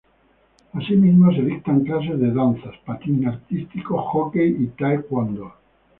Asimismo se dictan clases de danzas, patín artístico, hockey y taekwondo.